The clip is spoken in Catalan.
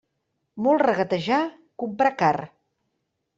Molt regatejar, comprar car.